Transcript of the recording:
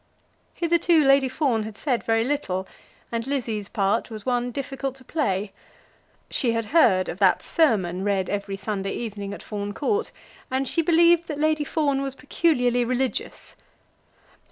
Hitherto Lady Fawn had said very little, and Lizzie's part was one difficult to play. She had heard of that sermon read every Sunday evening at Fawn Court, and she believed that Lady Fawn was peculiarly religious.